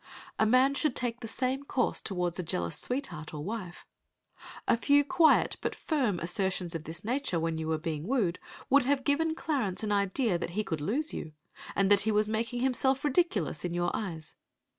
A man should take the same course toward a jealous sweetheart or wife. A few quiet but firm assertions of this nature, when you were being wooed, would have given Clarence an idea that he could lose you, and that he was making himself ridiculous in your eyes.